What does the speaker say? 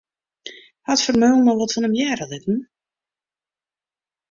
Hat Vermeulen al wat fan him hearre litten?